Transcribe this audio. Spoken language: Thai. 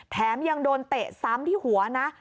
แถมยังโดนเตะซ้ำที่หัวนะ